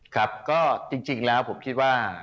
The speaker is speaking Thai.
ครับก็จริงแล้วผมคิดว่า